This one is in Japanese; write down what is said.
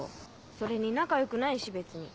それに仲良くないし別に。